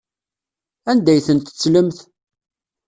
Anda ay tent-tettlemt?